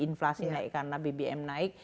inflasi naik karena bbm naik